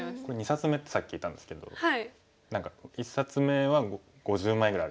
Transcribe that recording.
２冊目ってさっき聞いたんですけど何か１冊目は５０枚ぐらいあるとか。